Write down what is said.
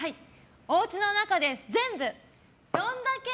おうちの中で全部どんだけ！